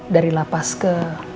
dari lapas ke